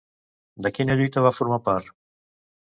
De quina lluita va formar part?